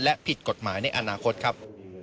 และผิดกฎหมายในอนาคตครับ